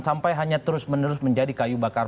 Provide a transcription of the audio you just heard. sampai hanya terus menerus menjadi kayu bakar